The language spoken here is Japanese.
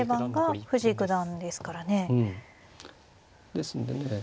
ですのでね